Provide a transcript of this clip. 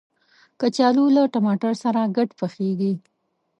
کچالو له ټماټر سره ګډ پخیږي